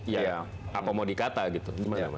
ya apa mau dikata gitu